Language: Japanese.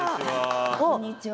こんにちは。